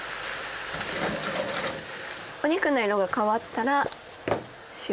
お肉の色が変わったら塩こしょう。